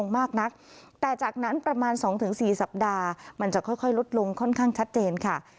มันจะค่อยลดลงค่อนข้างชัดเจนค่ะ